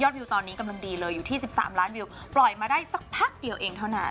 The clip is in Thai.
วิวตอนนี้กำลังดีเลยอยู่ที่๑๓ล้านวิวปล่อยมาได้สักพักเดียวเองเท่านั้น